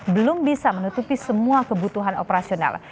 belum bisa menutupi semua kebutuhan operasional